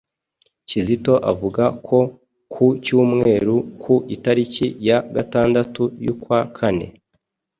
Kizito avuga ko ku cyumweru ku itariki ya gatandatu y'ukwa kane